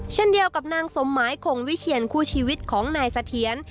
เช่นเดียวกับนางสมหมายคงวิเชียนคู่ชีวิตของนายเสถียร